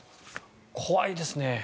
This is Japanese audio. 怖いですね。